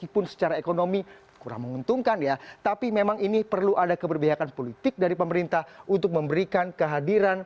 berikut laporannya untuk anda